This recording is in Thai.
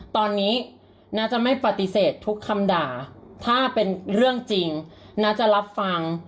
ตอนนี้น้าจะไม่ปฏิเสธทุกคำด่าถ้าเป็นเรื่องจริงน้าจะรับฟัง